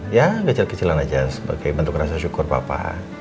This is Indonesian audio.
ya kecil kecilan aja sebagai bentuk rasa syukur bapak